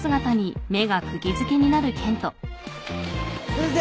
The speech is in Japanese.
先生！